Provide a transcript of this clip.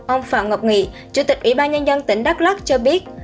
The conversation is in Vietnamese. ông phạm ngọc nghị chủ tịch ủy ban nhân dân tỉnh đắk lắc cho biết